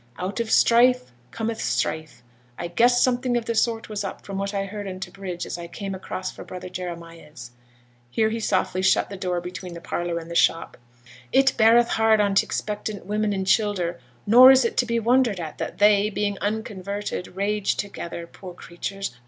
'Out of strife cometh strife. I guessed something of the sort was up from what I heard on t' bridge as I came across fra' brother Jeremiah's.' Here he softly shut the door between the parlour and the shop. 'It beareth hard on th' expectant women and childer; nor is it to be wondered at that they, being unconverted, rage together (poor creatures!)